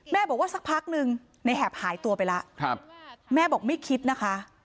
บอกว่าสักพักหนึ่งในแหบหายตัวไปแล้วแม่บอกไม่คิดนะคะ